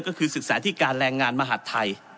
ก็คือศึกษาที่การแรงงานมหาดไทย